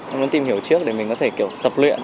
em muốn tìm hiểu trước để mình có thể kiểu tập luyện